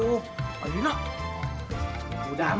udah masuk aja